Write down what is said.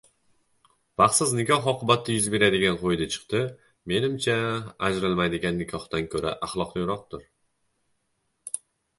Baxtsiz nikoh oqibatida yuz beradigan qo‘ydi-chiqdi, menimcha, ajralmaydigan nikohdan ko‘ra axloqliroqdir